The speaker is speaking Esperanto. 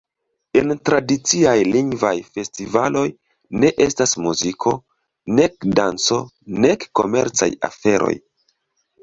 En tradiciaj Lingvaj Festivaloj ne estas muziko, nek danco, nek komercaj aferoj.